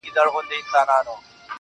پيل كي وړه كيسه وه غـم نه وو.